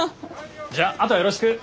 じゃああとはよろしく。